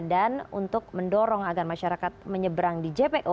dan untuk mendorong agar masyarakat menyeberang di jpo